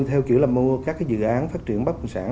theo kiểu là mua các dự án phát triển bất động sản